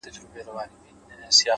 شپه په خندا ده! سهار حیران دی!